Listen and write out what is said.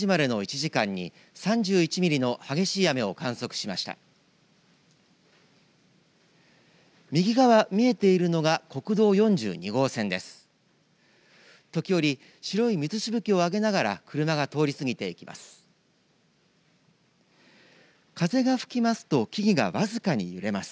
時折、白い水しぶきを上げながら車が通り過ぎていきます。